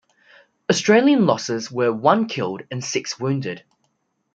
Australian losses were one killed and six wounded.